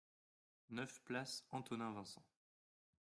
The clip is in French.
neuf place Antonin Vincent